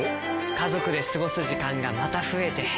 家族で過ごす時間がまた増えて。